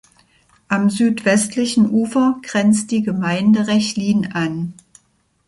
Am südwestlichen Ufer grenzt die Gemeinde Rechlin an.